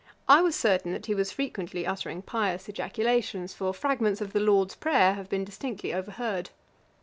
I was certain that he was frequently uttering pious ejaculations; for fragments of the Lord's Prayer have been distinctly overheard.